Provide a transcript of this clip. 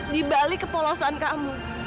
di balik kepolosan kamu